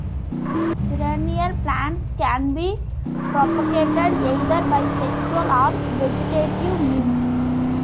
Perennial plants can be propagated either by sexual or vegetative means.